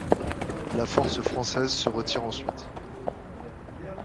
La force française se retire ensuite.